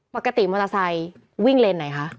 ปกติมอเตอร์ไซค์วิ่งเลนไหนคะ